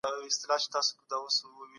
له پخوانیو عقدو څخه ځانونه خلاص کړئ.